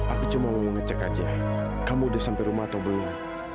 aku cuma mau ngecek aja kamu di samping rumah atau belum